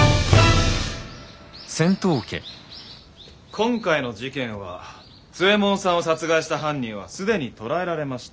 今回の事件は津右衛門さんを殺害した犯人は既に捕らえられました。